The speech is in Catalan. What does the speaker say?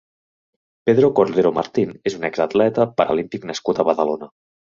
Pedro Cordero Martín és un ex-atleta paralímpic nascut a Badalona.